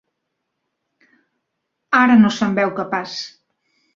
Ara no se'n veu capaç.